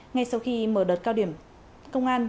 ngay sau khi mở đợt cao điểm công an